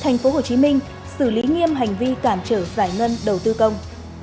thành phố hồ chí minh xử lý nghiêm hành vi cản trở giải ngân đầu tư công